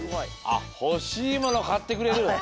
「ほしいものかってくれる」。